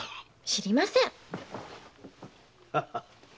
知りません！